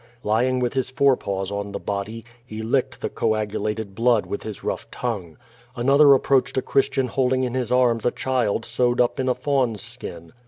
Lying 'vith his fore paws on the body, he licked the coagulated blooci with his rough tongue. Another ap proached a fhristian holding in his arms a child sewed up in a fawn's skin.